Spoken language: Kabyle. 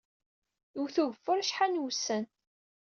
Iwet ugeffur acḥal n wussan.